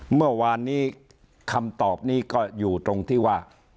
เมื่อวานนี้คำตอบนี้ก็อยู่ตรงที่ว่า